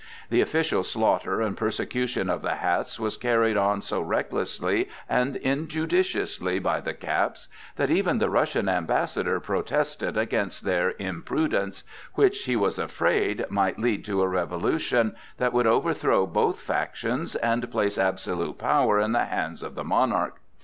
The official slaughter and persecution of the "hats" was carried on so recklessly and injudiciously by the "caps" that even the Russian ambassador protested against their imprudence, which, he was afraid, might lead to a revolution that would overthrow both factions and place absolute power in the hands of the monarch.